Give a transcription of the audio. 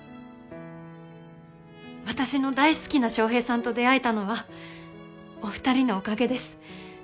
私の大好きな翔平さんと出会えたのはお二人のおかげです。